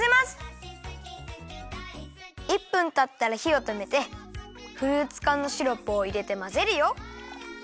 １分たったらひをとめてフルーツかんのシロップをいれてまぜるよ。